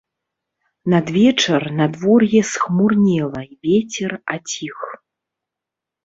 Надвечар надвор'е схмурнела і вецер аціх.